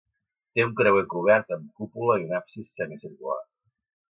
Té un creuer cobert amb cúpula i un absis semicircular.